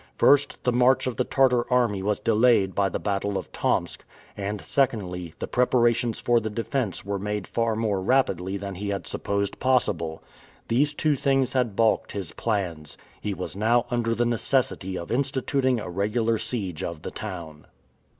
First, the march of the Tartar army was delayed by the battle of Tomsk; and secondly, the preparations for the defense were made far more rapidly than he had supposed possible; these two things had balked his plans. He was now under the necessity of instituting a regular siege of the town.